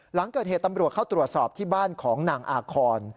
หลังเกิดเหตุตำรวจเข้าตรวจสอบที่บ้านของนางอาคอน